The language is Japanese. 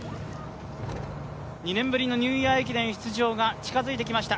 ２年ぶりのニューイヤー駅伝出場が近づいてきました。